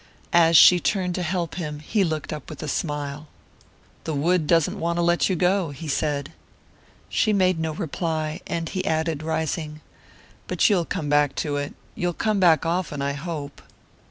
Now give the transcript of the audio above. As she turned to help him he looked up with a smile. "The wood doesn't want to let you go," he said. She made no reply, and he added, rising: "But you'll come back to it you'll come back often, I hope."